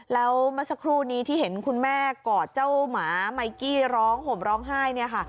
แล้วเมื่อสักครู่นี้ที่เห็นคุณแม่กอดเจ้าหมาไมกี้ร้องห่มร้องไห้